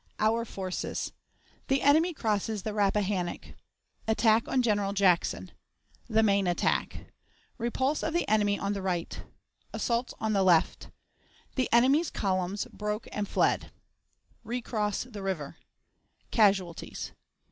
Our Forces. The Enemy crosses the Rappahannock. Attack on General Jackson. The Main Attack. Repulse of the Enemy on the Right. Assaults on the Left. The Enemy's Columns broke and fled. Recross the River. Casualties.